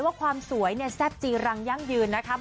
ว่าความสวยเนี่ยแซ่บจีรังยั่งยืนนะคะ